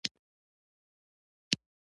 دوکاندار له تودو خبرو ډډه کوي.